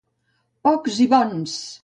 Pocs i bons!